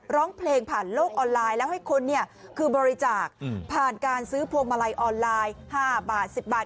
ร้องเพลงผ่านโลกออนไลน์แล้วให้คนเนี่ยคือบริจาคผ่านการซื้อพวงมาลัยออนไลน์๕บาท๑๐บาท